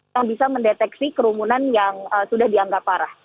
yang bisa mendeteksi kerumunan yang sudah dianggap parah